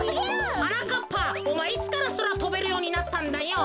はなかっぱおまえいつからそらとべるようになったんだよ。